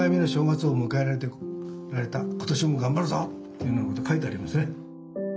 いうようなこと書いてありますね。